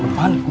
pada panik gue